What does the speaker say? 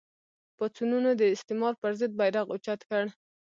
پاڅونونو د استعمار پر ضد بېرغ اوچت کړ